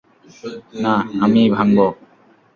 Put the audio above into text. না, আমিই ভাঙবো।